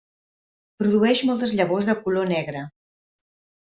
Produeix moltes llavors de color negre.